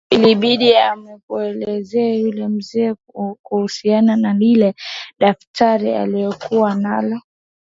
Jacob ilibidi amuelezee yule mzee kuhusiana na lile daftari alokua nalo